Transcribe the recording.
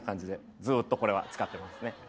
ずっとこれは使ってますね。